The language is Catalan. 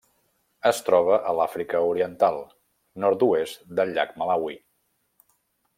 Es troba a l’Àfrica Oriental: nord-oest del llac Malawi.